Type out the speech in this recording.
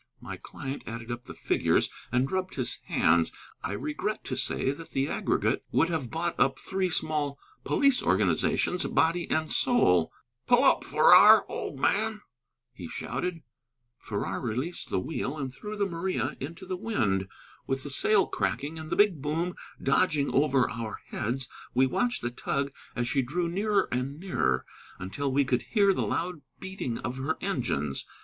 My client added up the figures and rubbed his hands. I regret to say that the aggregate would have bought up three small police organizations, body and soul. "Pull up, Farrar, old man," he shouted. Farrar released the wheel and threw the Maria into the wind. With the sail cracking and the big boom dodging over our heads, we watched the tug as she drew nearer and nearer, until we could hear the loud beating of her engines.